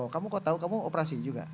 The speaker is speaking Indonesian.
oh kamu kok tau kamu operasi juga